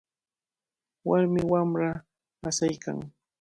Warmi wamra asiykan.